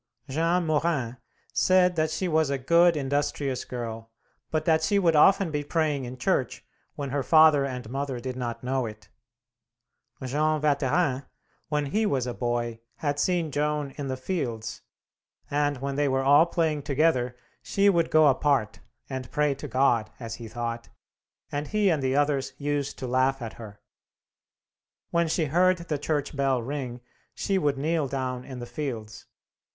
Jean Morin said that she was a good industrious girl, but that she would often be praying in church when her father and mother did not know it. Jean Waterin, when he was a boy, had seen Joan in the fields, "and when they were all playing together, she would go apart and pray to God, as he thought, and he and the others used to laugh at her. When she heard the church bell ring, she would kneel down in the fields."